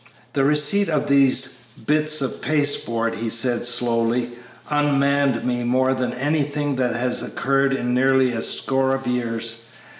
"The receipt of those bits of pasteboard," he said, slowly, "unmanned me more than anything that has occurred in nearly a score of years.